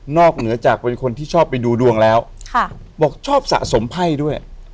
เหนือจากเป็นคนที่ชอบไปดูดวงแล้วบอกชอบสะสมไพ่ด้วย